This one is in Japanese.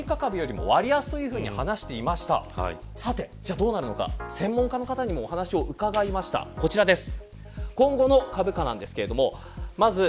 じゃあ、どうなるのか専門家の方にもお話を伺いました、こちらです。